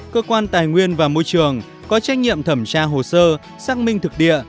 cơ quan tài nguyên và môi trường có trách nhiệm thẩm tra hồ sơ xác minh thực địa